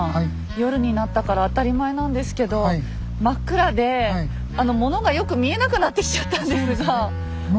夜になったから当たり前なんですけど真っ暗でモノがよく見えなくなってきちゃったんですが。